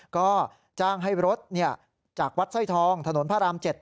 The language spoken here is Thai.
ก็จ้างให้รถเนี่ยจากวัดไส้ทองถนนพระราม๗